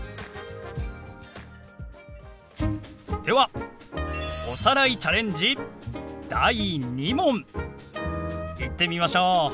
ではおさらいチャレンジ第２問いってみましょう！